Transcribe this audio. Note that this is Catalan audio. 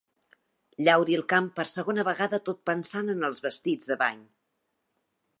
Llauri el camp per segona vegada tot pensant en els vestits de bany.